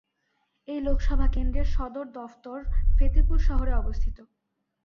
এই লোকসভা কেন্দ্রের সদর দফতর ফতেপুর শহরে অবস্থিত।